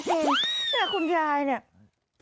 แต่คุณยายเนี่ย